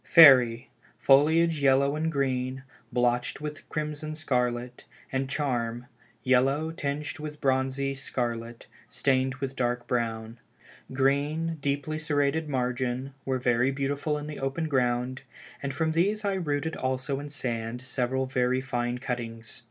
Fairy, foliage yellow and green, blotched with crimson scarlet, and Charm, yellow, tinged with bronzy scarlet, stained with dark brown; green deeply serrated margin, were very beautiful in the open ground, and from these I rooted also in sand several very fine cuttings.